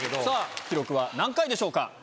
さぁ記録は何回でしょうか？